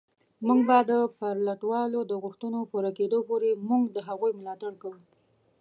موږ به د پرلتوالو د غوښتنو پوره کېدو پورې موږ د هغوی ملاتړ کوو